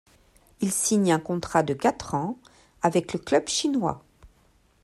Il signe un contrat de quatre ans avec le club chinois.